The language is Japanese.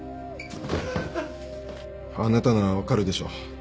あなたなら分かるでしょ？